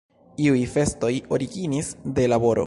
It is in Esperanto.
Iuj festoj originis de laboro.